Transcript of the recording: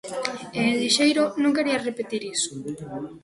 E en Lixeiro non quería repetir iso.